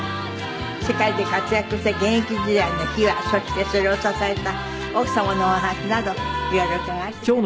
世界で活躍した現役時代の秘話そしてそれを支えた奥様のお話などいろいろ伺わせていただきます。